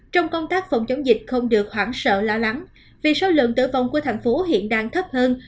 trong công tác phòng chống dịch không được hoảng sợ lo lắng vì số lượng tử vong của thành phố hiện đang thấp hơn